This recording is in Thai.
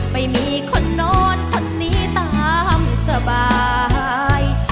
ไปมีคนนอนคนนี้ตามสบาย